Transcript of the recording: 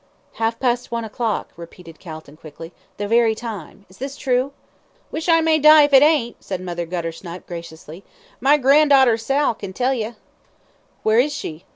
"Half past one o'clock," repeated Calton, quickly. "The very time. Is this true?" "Wish I may die if it ain't," said Mother Guttersnipe, graciously. "My gran'darter Sal kin tell ye." "Where is she?"